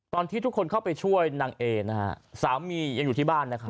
ตอนที่ทุกคนเข้าไปช่วยนางเอนะฮะสามียังอยู่ที่บ้านนะครับ